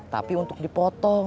tapi untuk dipotong